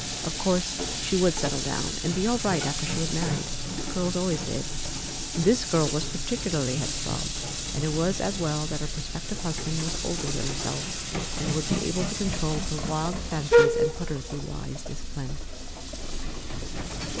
Of course she would settle down and be all right after she was married. Girls always did. This girl was particularly headstrong, and it was as well that her prospective husband was older than herself, and would be able to control her wild fancies and put her through wise discipline.